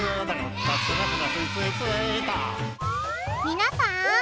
皆さん！